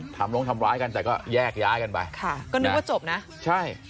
ทำโรงทำร้ายกันแต่ก็แยกย้ายกันไป